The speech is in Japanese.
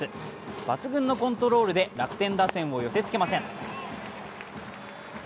抜群のコントロールで楽天打線を寄せつけません。